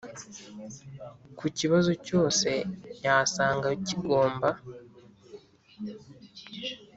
ku kibazo cyose yasanga kigomba